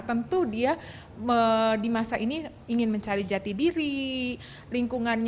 tentu dia di masa ini ingin mencari jati diri lingkungan